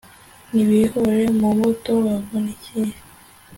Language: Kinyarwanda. n'ibihore mu mbuto bavunikiye